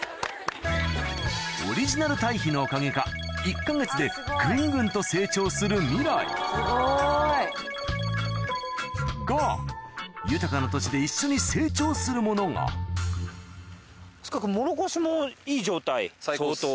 オリジナル堆肥のおかげか１か月でぐんぐんと成長する味来が豊かな土地で一緒に成長するものがモロコシもいい状態相当。